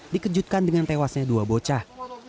dikejutkan dengan tewasnya dua bocah